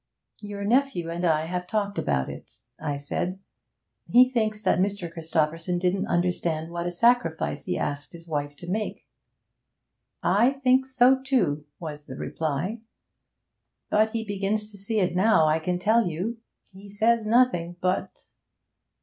'Your nephew and I have talked about it,' I said. 'He thinks that Mr. Christopherson didn't understand what a sacrifice he asked his wife to make.' 'I think so too,' was the reply. 'But he begins to see it now, I can tell you. He says nothing but.'